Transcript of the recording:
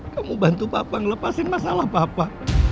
kamu bantu papa ngelepasin masalah papa